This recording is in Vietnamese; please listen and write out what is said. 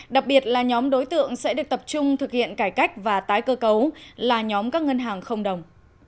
đặc biệt là nhóm đối tượng sẽ được tập trung thực hiện cải cách và tái cơ cấu là nhóm các ngân hàng không đồng